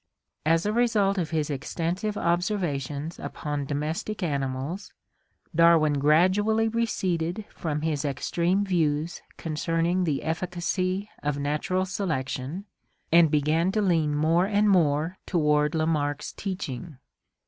As a result of his extensive observations upon domestic animals, Darwin grad ually receded from his extreme views concerning the efficacy of natural selection and began to lean more and more toward La marck's teaching.